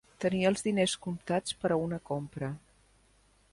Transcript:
Tenir els diners comptats per a una compra.